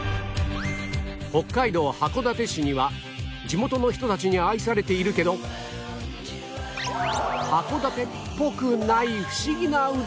北海道函館市には地元の人たちに愛されているけど函館っぽくないフシギなうどんがある